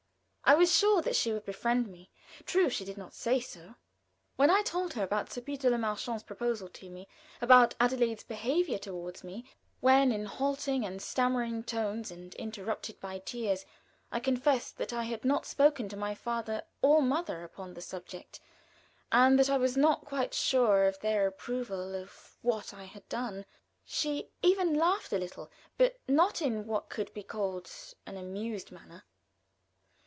I was sure that she would befriend me. True, she did not say so. When I told her about Sir Peter Le Marchant's proposal to me, about Adelaide's behavior; when, in halting and stammering tones, and interrupted by tears, I confessed that I had not spoken to my father or mother upon the subject, and that I was not quite sure of their approval of what I had done, she even laughed a little, but not in what could be called an amused manner.